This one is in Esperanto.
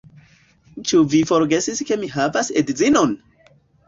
Ĉu vi forgesis ke mi havas edzinon?